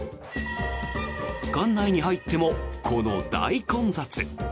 館内に入ってもこの大混雑。